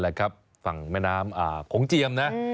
แล้วก็ฝั่งแม่น้ำโขงเจียมนะ